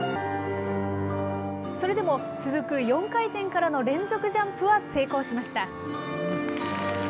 それでも続く４回転からの連続ジャンプは成功しました。